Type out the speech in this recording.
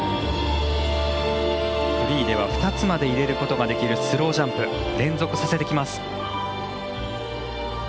フリーでは２つまで入れることができるスロージャンプ連続させてきます。